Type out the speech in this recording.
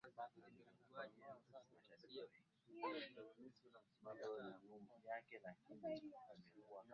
ilisema kwamba ilifanya kile iwezekanalo